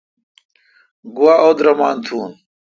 گوا اودرمان تھون۔